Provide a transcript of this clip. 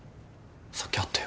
さっき会ったよ。